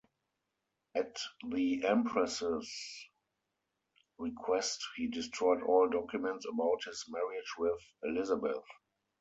At the Empress's request he destroyed all documents about his marriage with Elizabeth.